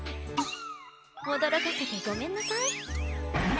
おどろかせてごめんなさい。